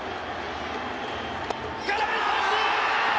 空振り三振！